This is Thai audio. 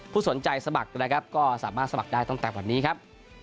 สนใจสมัครนะครับก็สามารถสมัครได้ตั้งแต่วันนี้ครับ